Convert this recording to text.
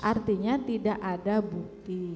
artinya tidak ada bukti